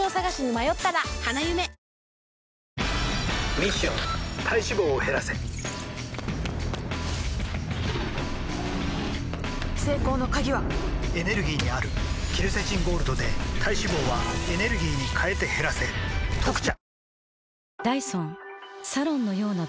ミッション体脂肪を減らせ成功の鍵はエネルギーにあるケルセチンゴールドで体脂肪はエネルギーに変えて減らせ「特茶」